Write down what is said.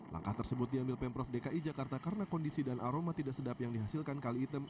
langkah tersebut diambil pemprov dki jakarta karena kondisi dan aroma tidak sedap yang dihasilkan kali item